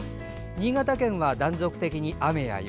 新潟県は断続的に雨や雪。